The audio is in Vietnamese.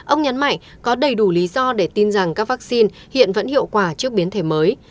ông nhấn mạnh có đầy đủ lý do để tin rằng các vaccine hiện vẫn hiệu quả trước biến thể mới